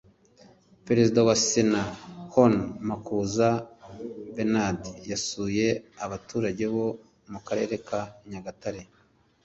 perezida wa sena hon makuza bernad yasuye abaturage bo mu karere ka nyagatare